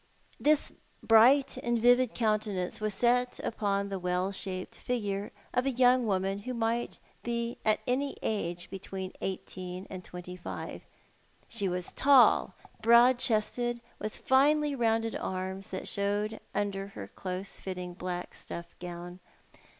This bright and vivid countenance was set upon the well shaped figure of a young woman who might be any age between eighteen and twenty five. She was tall, broad chested, with finely rounded arms that showed under her close fitting black stuff gown.